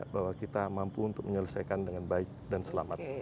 bahwa kita mampu untuk menyelesaikan dengan baik dan selamat